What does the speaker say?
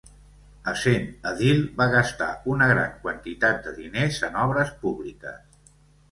Essent edil va gastar una gran quantitat de diners en obres públiques.